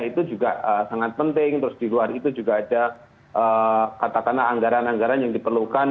itu juga sangat penting terus di luar itu juga ada katakanlah anggaran anggaran yang diperlukan